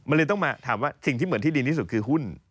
มันเลยต้องมาถามว่าสิ่งที่เหมือนที่ดีที่สุดคือหุ้น